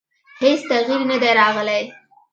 هېڅ تغییر نه دی راغلی.